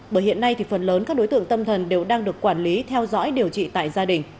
bởi hiện nay thì phần lớn các đối tượng tâm thần đều đang được quản lý theo dõi điều trị tại gia đình